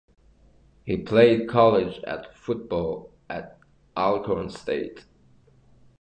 He played college football at Alcorn State.